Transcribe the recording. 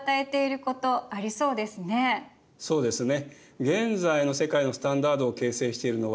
そうですね。